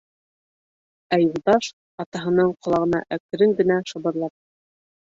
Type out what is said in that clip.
Ә Юлдаш, атаһының ҡолағына әкрен генә шыбырлап: